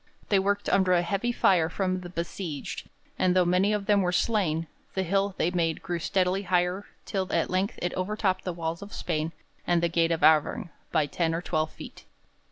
They worked under a heavy fire from the besieged, and though many of them were slain, the hill they made grew steadily higher till at length it overtopped the wall of Spain and the gate of Auvergne by ten or twelve feet.